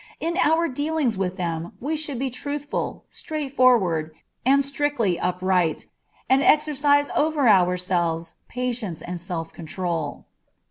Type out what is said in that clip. In our dealings with them we should be truthful, straightforward, and strictly upright, and exercise over ourselves patience and self control.